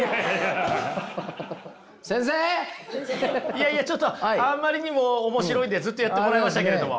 いやいやちょっとあんまりにも面白いんでずっとやってもらいましたけれども。